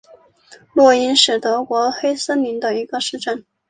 洛因是德国黑森州的一个市镇。